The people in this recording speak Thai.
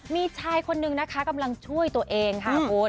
มีชายคนนึงนะคะกำลังช่วยตัวเองค่ะคุณ